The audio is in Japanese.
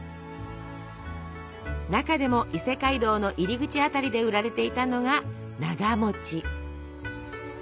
中でも伊勢街道の入り口辺りで売られていたのがなが。